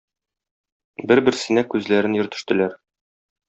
Бер-берсенә күзләрен йөртештеләр.